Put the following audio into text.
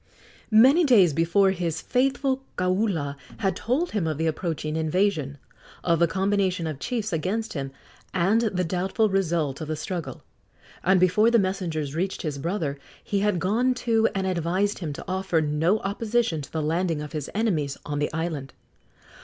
Many days before his faithful kaula had told him of the approaching invasion, of the combination of chiefs against him, and the doubtful result of the struggle; and before the messengers reached his brother he had gone to and advised him to offer no opposition to the landing of his enemies on the island.